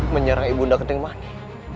menyerang ibu ndak ketinggmani